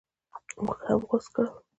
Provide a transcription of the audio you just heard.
موږ هم غوڅ کړل.